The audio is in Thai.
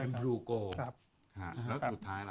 จุดท้ายล่ะ